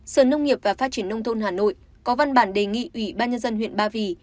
sở nông nghiệp và phát triển nông thôn hà nội có văn bản đề nghị ủy ban nhân dân huyện ba vì